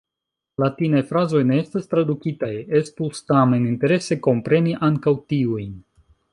Latinaj frazoj ne estas tradukitaj; estus tamen interese kompreni ankaŭ tiujn.